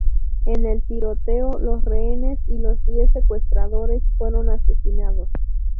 En el tiroteo, los rehenes y los diez secuestradores fueron asesinados.